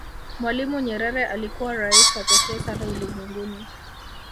mwalimu nyerere alikuwa rais wa pekee sana ulimwenguni